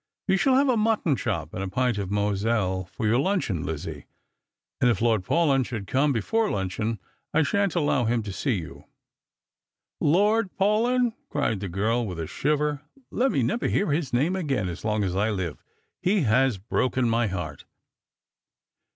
You shall have a mutton chop and a pint of Moselle for your luncheon, Lizzie ; and if Lord Paulyn should come before luncheon, I shan't allow him to see you." " Lord Paulyn !" cried the girl, with a shiver, " let me never hear his name again as long as I live. He has broken my heart."